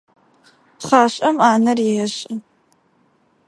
Пхъашӏэм ӏанэр ешӏы.